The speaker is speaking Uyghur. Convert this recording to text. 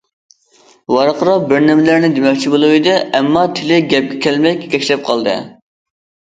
ۋارقىراپ بىر نېمىلەرنى دېمەكچى بولۇۋىدى، ئەمما تىلى گەپكە كەلمەي كېكەچلەپ قالدى.